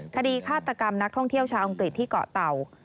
ฆาตกรรมนักท่องเที่ยวชาวอังกฤษที่เกาะเต่า